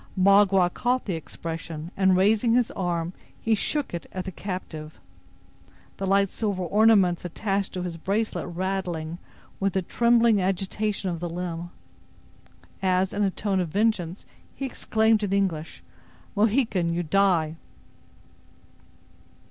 Magua caught the expression, and raising his arm, he shook it at the captive, the light silver ornaments attached to his bracelet rattling with the trembling agitation of the limb, as, in a tone of vengeance, he exclaimed, in English: "Mohican, you die!"